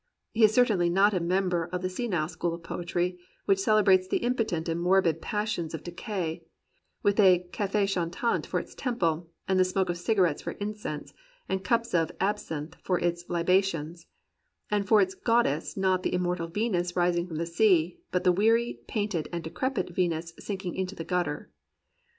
He is certainly not a member of the senile school of poetry, which celebrates the impotent and morbid passions of decay, with a cafe chaniant for its temple, and the smoke of cigarettes for incense, and cups of absinthe for its hbations, and for its goddess not the immortal Venus rising from the sea, but the weary, painted, and decrepit Venus sinking into the gutter.